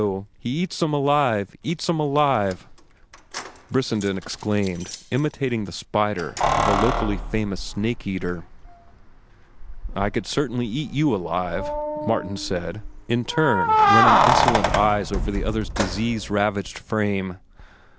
He eats 'em alive! Eats 'em alive!" Brissenden exclaimed, imitating the spieler of a locally famous snake eater. "I could certainly eat you alive," Martin said, in turn running insolent eyes over the other's disease ravaged frame.